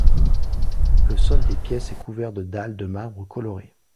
Le sol des pièces est couvert de dalles de marbres colorés.